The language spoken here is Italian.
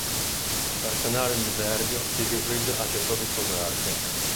Per sanare il diverbio Siegfried accettò di sposarsi.